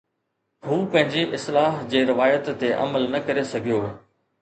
هو پنهنجي اصلاح جي روايت تي عمل نه ڪري سگهيو